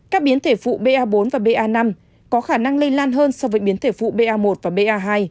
các biến thể phụ ba bốn và ba năm có khả năng lây lan hơn so với biến thể phụ ba một và ba